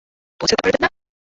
বোঝাতে পারবেন না!